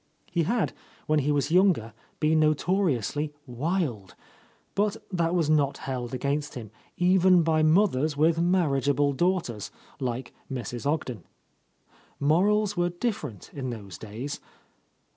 He had, when he was younger, been no toriously "wild," but that was not held against him, even by mothers with marriageable daugh ters, like Mrs. Ogden. Morals were different in those days.